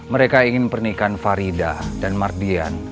mereka ingin pernikahan farida dan mardian